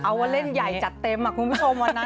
เอาว่าเล่นใหญ่จัดเต็มคุณผู้ชมวันนั้น